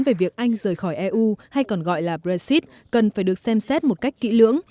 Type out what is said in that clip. về việc anh rời khỏi eu hay còn gọi là brexit cần phải được xem xét một cách kỹ lưỡng